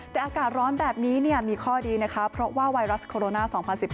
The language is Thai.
แต่อากาศร้อนแบบนี้มีข้อดีนะคะเพราะว่าไวรัสโคโรนา๒๐๑๕